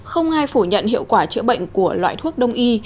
không ai phủ nhận hiệu quả chữa bệnh của loại thuốc đông y